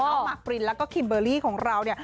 มากปรินแล้วก็คิมเบอร์รี่ของเราเนี่ย